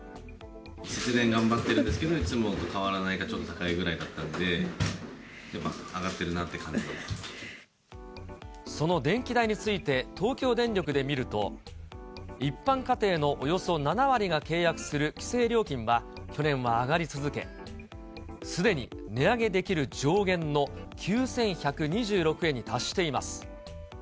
節電頑張ってるんですけど、いつもと変わらないか、ちょっと高いぐらいだったんで、その電気代について、東京電力で見ると、一般家庭のおよそ７割が契約する規制料金は、去年は上がり続け、すでに値上げできる上限の９１２６円に達しています。